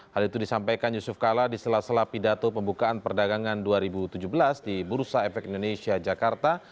hal itu disampaikan yusuf kala di sela sela pidato pembukaan perdagangan dua ribu tujuh belas di bursa efek indonesia jakarta